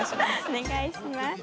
お願いします。